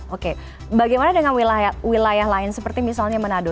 oke bagaimana dengan wilayah lain seperti misalnya manado